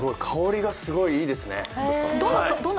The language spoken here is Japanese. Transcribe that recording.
香りがすごいいいですね。